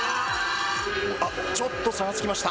あっ、ちょっと差がつきました。